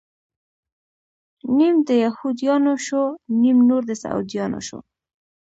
نيم د يهود يانو شو، نيم نور د سعوديانو شو